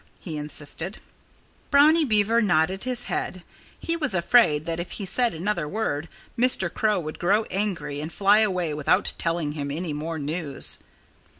he insisted. Brownie Beaver nodded his head. He was afraid that if he said another word Mr. Crow would grow angry and fly away without telling him any more news.